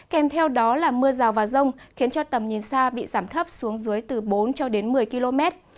kèm theo đó là mưa rào và rông khiến cho tầm nhìn xa bị giảm thấp xuống dưới từ bốn cho đến một mươi km